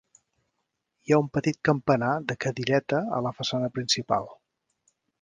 Hi ha un petit campanar de cadireta a la façana principal.